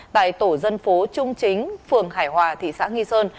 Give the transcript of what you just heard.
tại tổ dân phố trung chính phường hải hòa thị xã nghi sơn